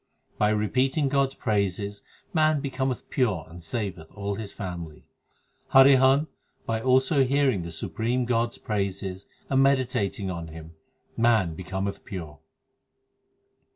440 THE SIKH RELIGION By repeating God s praises man becometh pure and saveth all his family. Harihan, by also hearing the supreme God s praises and meditating on Him, man becometh pure.